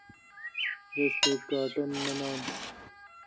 رس تہ کاٹن منان۔